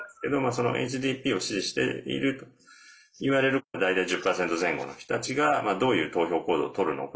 そのＨＤＰを支持しているといわれる大体１０％前後の人たちがどういう投票行動をとるのか。